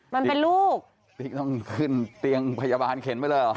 มันเป็นลูกติ๊กต้องขึ้นเตียงพยาบาลเข็นไปเลยเหรอ